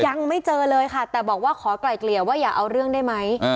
ยังไม่เจอเลยค่ะแต่บอกว่าขอไกล่เกลี่ยว่าอย่าเอาเรื่องได้ไหม